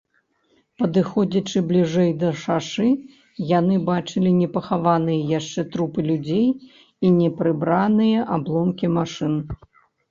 Падыходзячы бліжэй да шашы, яны бачылі непахаваныя яшчэ трупы людзей і непрыбраныя абломкі машын.